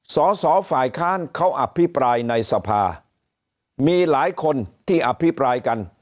สอสอฝ่ายค้านเขาอภิปรายในสภามีหลายคนที่อภิปรายกัน